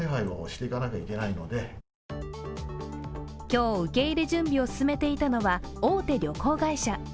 今日、受け入れ準備を進めていたのは大手旅行会社。